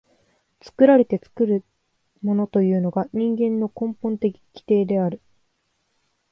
作られて作るものというのが人間の根本的規定である。